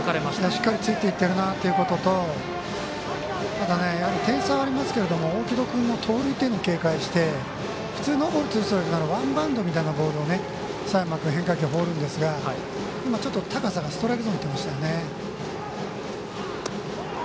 しっかりついていってるなということと点差はありますが大城戸君も盗塁を警戒して普通ノーボールツーストライクならワンバウンドみたいなボールを放るんですがちょっと高さがストライクゾーン打っていましたよね。